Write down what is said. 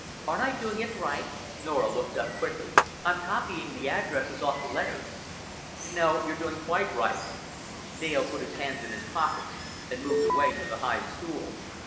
"Aren't I doing right?" Norah looked up quickly. "I'm copying the addresses off the letters." "No, you're doing quite right." Dale put his hands in his pockets and moved away to the high stool.